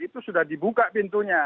itu sudah dibuka pintunya